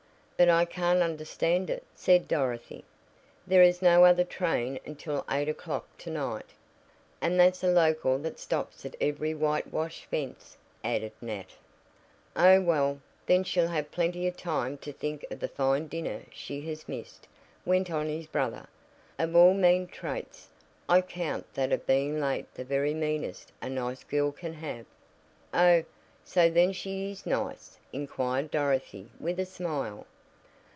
"But I can't understand it," said Dorothy. "There is no other train until eight o'clock to night." "And that's a local that stops at every white washed fence," added Nat. "Oh, well, then she'll have plenty of time to think of the fine dinner she has missed," went on his brother. "Of all mean traits, I count that of being late the very meanest a nice girl can have." "Oh, so then she is nice?" inquired Dorothy with a smile.